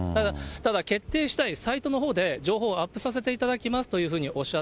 ただ決定しだい、サイトのほうで情報アップさせていただきますというふうにおっし